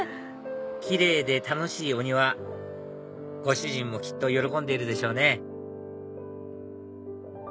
キレイで楽しいお庭ご主人もきっと喜んでいるでしょうね